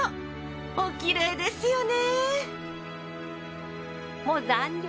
おきれいですよね。